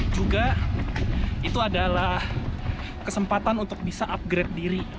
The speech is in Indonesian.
juga itu adalah kesempatan untuk bisa upgrade diri